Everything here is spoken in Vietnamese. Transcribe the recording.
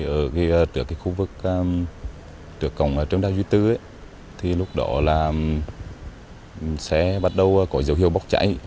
ở trước khu vực trường đa dưới tư lúc đó xe bắt đầu có dấu hiệu bốc cháy